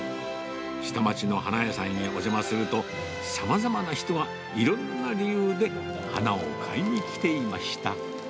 下町の花屋さんにお邪魔すると、さまざまな人がいろんな理由で、花を買いに来ていました。